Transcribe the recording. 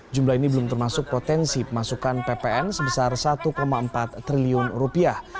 jumlah ini belum termasuk potensi pemasukan ppn sebesar satu empat triliun rupiah